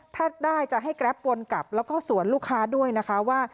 ถ้าได้จะให้แกรปวนกลับแล้วก็สวนลูกค้าด้วยนะคะว่า